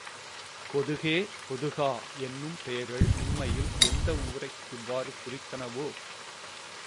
பொதுகே, பொதுகா என்னும் பெயர்கள் உண்மையில் எந்த ஊரை இவ்வாறு குறித்தனவோ?